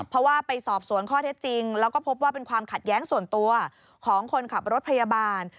เพราะว่าไปสอบสวนข้อเท็จจริงแล้วก็พบว่าเป็นความขัดแย้งส่วนตัวของคนขับรถพยาบาล